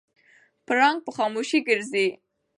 پړانګ په خاموشۍ ګرځي.